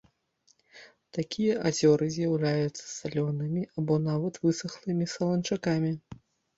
Такія азёры з'яўляюцца салёнымі або нават высахлымі саланчакамі.